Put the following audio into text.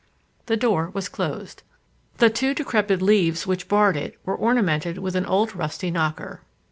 The door was closed. The two decrepit leaves which barred it were ornamented with an old rusty knocker.